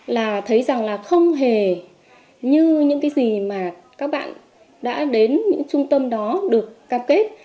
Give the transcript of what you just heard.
là thấy rằng là không hề như những cái gì mà các bạn đã đến những trung tâm đó được cam kết